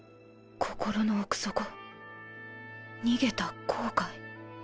心の奥底逃げた後悔。